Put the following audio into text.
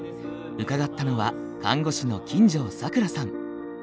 伺ったのは看護師の金城櫻さん。